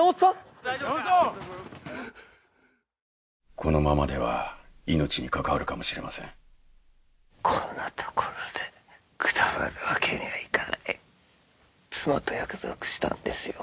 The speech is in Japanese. このままでは命に関わるかもしれませんこんな所でくたばるわけにはいかない妻と約束したんですよ